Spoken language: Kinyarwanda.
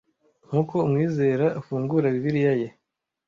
nkuko umwizera afungura bibiliya ye